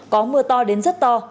có mưa to đến rất to